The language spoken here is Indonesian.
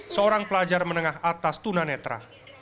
seorang pelajar menengah atas tuna netra